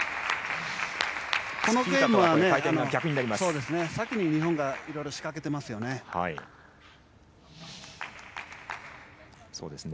このゲームは先に日本がいろいろ仕掛けてますよね。